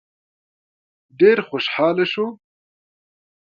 ډېر خوشحاله شو.